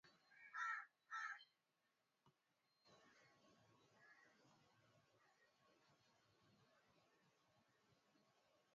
Kutokana na ushawishi mkubwa wa Uingereza katika mataifa ya dunia